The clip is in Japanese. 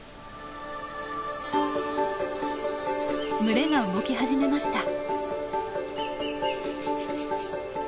群れが動き始めました。